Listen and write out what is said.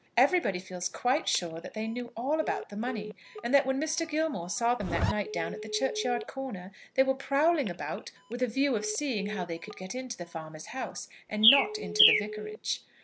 Everybody feels quite sure that they knew all about the money, and that when Mr. Gilmore saw them that night down at the churchyard corner, they were prowling about with a view of seeing how they could get into the farmer's house, and not into the Vicarage.